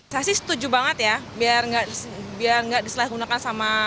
saya sih setuju banget ya biar nggak disalahgunakan sama